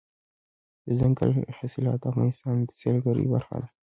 دځنګل حاصلات د افغانستان د سیلګرۍ برخه ده.